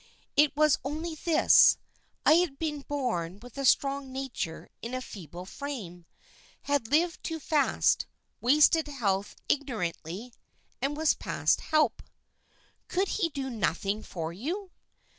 It was only this, I had been born with a strong nature in a feeble frame, had lived too fast, wasted health ignorantly, and was past help." "Could he do nothing for you?"